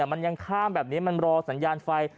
มันยังข้ามแบบนี้มันรอสัญญาณไฟ